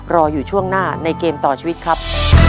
รออยู่ช่วงหน้าในเกมต่อชีวิตครับ